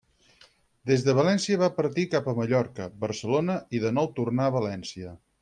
Des de València va partir cap a Mallorca, Barcelona i de nou tornà a València.